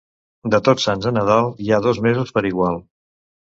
De Tots Sants a Nadal hi ha dos mesos per igual.